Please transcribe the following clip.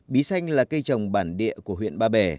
bí xanh là cây trồng bản địa của huyện ba bể